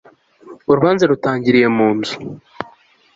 urubanza rutangirire mu nzu